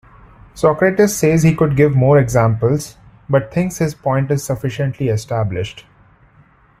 Socrates says he could give more examples, but thinks his point is sufficiently established.